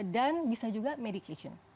dan bisa juga medication